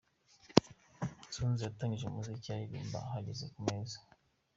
Tonzi yatangiye umuziki aririmba ahagaze ku meza.